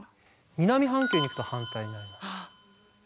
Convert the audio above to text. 南半球に行くと反対になります。